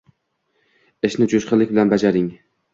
«Ishni jo’shqinlik bilan bajaring